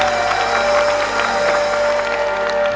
มาเลยครับ